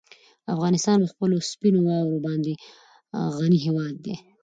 افغانستان په خپلو سپینو واورو باندې غني هېواد دی.